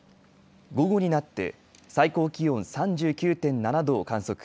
午後になって最高気温３９．７度を観測。